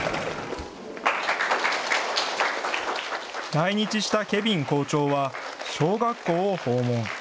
来日したケヴィン校長は、小学校を訪問。